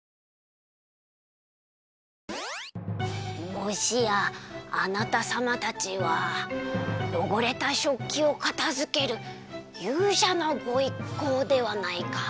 もしやあなたさまたちはよごれた食器をかたづける勇者のごいっこうではないか？